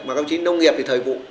mà công trình nông nghiệp thì thời vụ